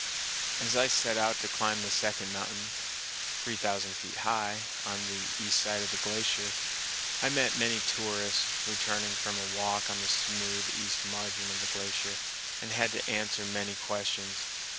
As I set out to climb the second mountain, three thousand feet high, on the east side of the glacier, I met many tourists returning from a walk on the smooth east margin of the glacier, and had to answer many questions.